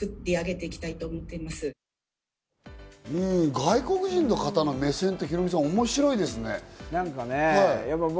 外国人の方の目線でヒロミさん、面白いですね。